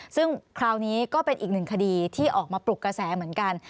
ซึ่งคราวนี้ก็เป็นอีกหนึ่งคดีที่ออกมาปลุกกระแสเหมือนกัน